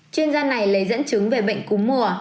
chuyên gia này lấy dẫn chứng về bệnh cúm mùa